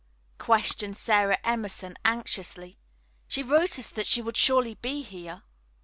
questioned Sara Emerson anxiously. "She wrote us that she would surely be here."